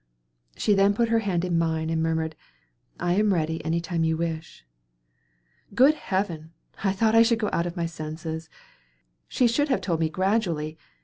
She then put her hand in mine and murmured, "I am ready any time you wish." Great heaven! I thought I should go out of my senses. She should have told me gradually.